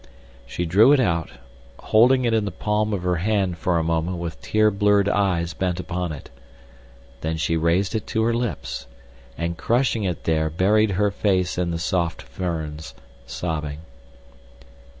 She drew it out, holding it in the palm of her hand for a moment with tear blurred eyes bent upon it. Then she raised it to her lips, and crushing it there buried her face in the soft ferns, sobbing.